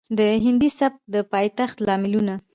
د هندي سبک د پايښت لاملونه